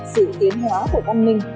sự tiến hóa của văn minh